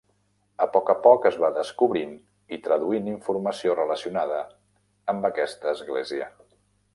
A poc a poc es va "descobrint" i traduint informació relacionada amb aquesta església.